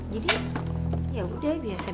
jadi ya udah biasa biasa aja